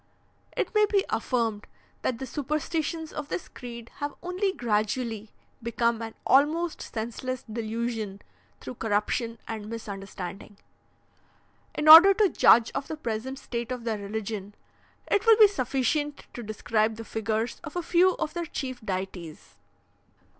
"It may be affirmed, that the superstitions of this creed have only gradually become an almost senseless delusion through corruption and misunderstanding. "In order to judge of the present state of their religion, it will be sufficient to describe the figures of a few of their chief deities.